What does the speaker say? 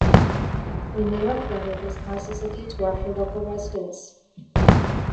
When they are flooded this causes a detour for local residents.